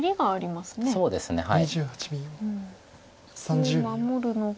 そこを守るのか。